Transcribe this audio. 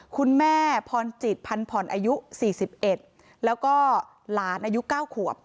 คุณแม่พรจิตพันพรอายุสี่สิบเอ็ดแล้วก็หลานอายุเก้าขวบ